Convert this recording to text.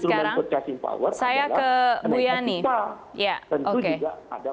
karena kita tentu juga ada